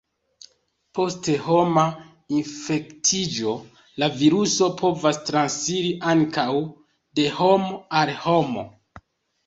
Post homa infektiĝo, la viruso povas transiri ankaŭ de homo al homo.